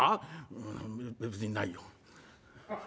「うん別にないよ」。